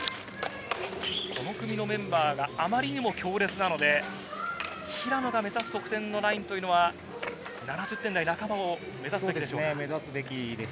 この組のメンバーがあまりにも強烈なので、平野が目指す得点のラインというのは、７０点台半ばを目指すべきでしょうか？